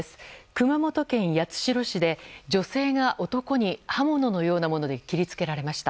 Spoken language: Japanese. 熊本県八代市で、女性が男に刃物のようなもので切り付けられました。